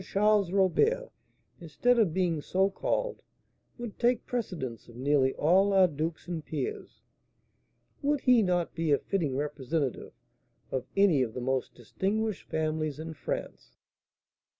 Charles Robert, instead of being so called, would take precedence of nearly all our dukes and peers. Would he not be a fitting representative of any of the most distinguished families in France?"